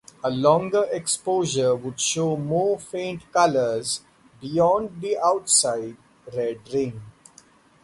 A longer exposure would show more faint colors beyond the outside red ring.